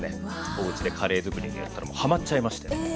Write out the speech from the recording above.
おうちでカレーづくりをやったらハマっちゃいましてね。